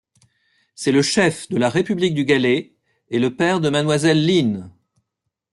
C'est le chef de La République du Galley et le père de Mademoiselle Lîn.